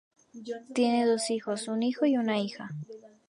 Tiene dos hijos, un hijo y una hija.